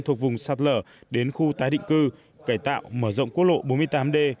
thuộc vùng sạt lở đến khu tái định cư cải tạo mở rộng quốc lộ bốn mươi tám d